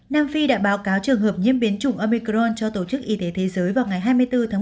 nam phi đã báo cáo trường hợp nhiễm biến chủng omicron cho tổ chức y tế thế giới vào ngày hai mươi bốn tháng một